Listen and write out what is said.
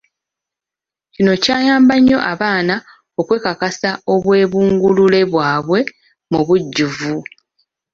Kino kyayamba nnyo abaana okwekakasa obwebungulule bwabwe mu bujjuvu.